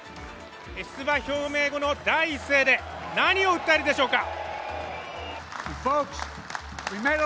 出馬表明後の第一声で何を訴えるのでしょうか。